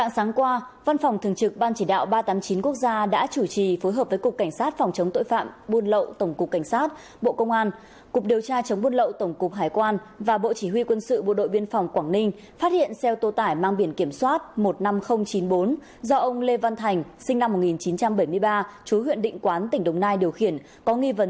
các bạn hãy đăng ký kênh để ủng hộ kênh của chúng mình nhé